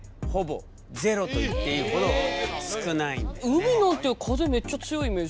海なんて風めっちゃ強いイメージ。